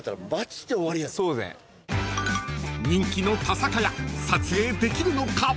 ［人気の田坂屋撮影できるのか？］